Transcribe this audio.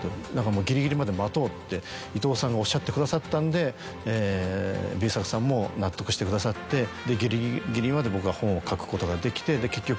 伊東さんがおっしゃってくださったんでＢ作さんも納得してくださってギリギリまで僕は本を書くことができて結局。